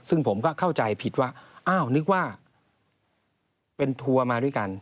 ซึ่งผมก็เข้าใจผิดว่าอ้าวนึกว่าเป็นทัวร์มาด้วยกัน